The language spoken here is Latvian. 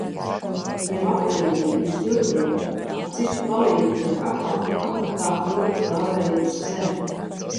Jau aprīlī pirms Jurģiem ar citu palīgu tiek aparta atmatā ilgi stāvējusi zeme.